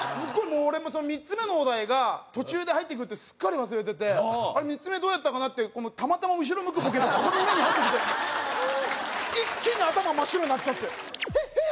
もう俺もう３つ目のお題が途中で入ってくるってすっかり忘れててあれ３つ目どうやったかなってたまたま後ろ向くボケでここで目に入ってきて一気に頭真っ白になっちゃってヒッヒ